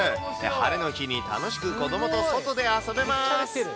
晴れの日に楽しく子どもと外で遊べます。